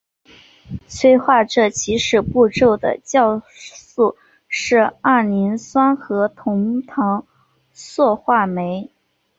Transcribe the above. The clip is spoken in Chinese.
催化这起始步骤的酵素是二磷酸核酮糖羧化酶。